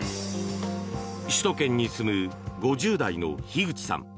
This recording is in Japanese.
首都圏に住む５０代の樋口さん。